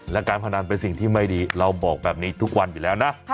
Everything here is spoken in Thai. และการพนันเป็นสิ่งที่ไม่ดีเราบอกแบบนี้ทุกวันอยู่แล้วนะ